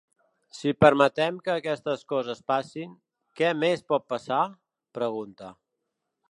Si permetem que aquestes coses passin, què més pot passar?, pregunta.